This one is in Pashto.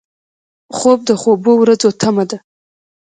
خوب د خوبو ورځو تمه ده